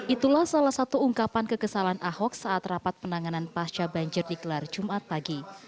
itulah salah satu ungkapan kekesalan ahok saat rapat penanganan pasca banjir dikelar jumat pagi